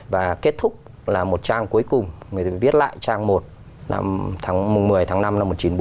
và kết thúc là một trang cuối cùng người viết lại trang một tháng một mươi tháng năm năm một nghìn chín trăm sáu mươi chín